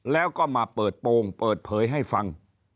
แล้วก็มาเปิดโปรงเปิดเผยให้ฟัง